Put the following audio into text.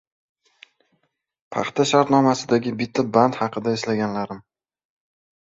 Paxta shartnomasidagi bitta band haqida eslaganlarim